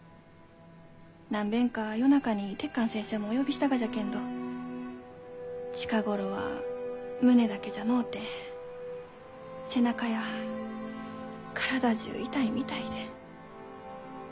何べんか夜中に鉄寛先生もお呼びしたがじゃけんど近頃は胸だけじゃのうて背中や体じゅう痛いみたいで。